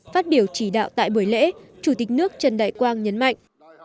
phát biểu chỉ đạo tại buổi lễ chủ tịch nước trần đại quang nhấn mạnh